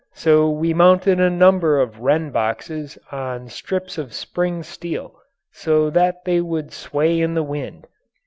So we mounted a number of wren boxes on strips of spring steel so that they would sway in the wind.